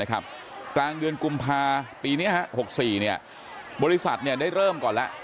กลางเดือนกุมภาปีนี้๖๔บริษัทได้เริ่มก่อนแล้ว